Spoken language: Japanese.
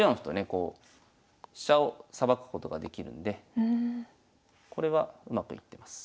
こう飛車をさばくことができるのでこれはうまくいってます。